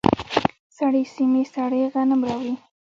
سړې سیمې سړې غنم غواړي.